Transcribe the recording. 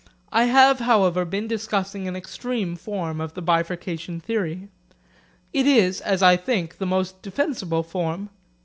I have however been discussing an extreme form of the bifurcation theory. It is, as I think, the most defensible form.